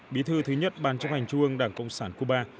bí thư thứ nhất ban chấp hành trung ương đảng cộng sản cuba